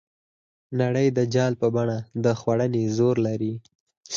نړۍ د جال په بڼه د خوړنې زور لري.